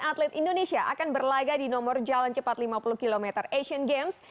atlet indonesia akan berlaga di nomor jalan cepat lima puluh km asian games